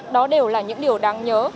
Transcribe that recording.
đó đều là những điều đáng nhớ